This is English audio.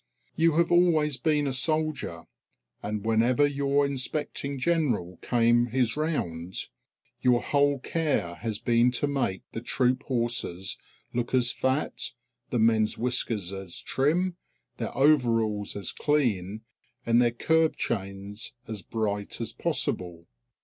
You have always been a soldier, and whenever your inspecting general came his round, your whole care has been to make the troop horses look as fat, the men's whiskers as trim, their overalls as clean, and their curb chains as bright, as possible.